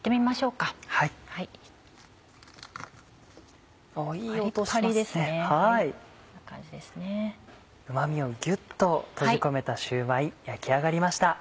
うま味をギュっと閉じ込めたシューマイ焼き上がりました。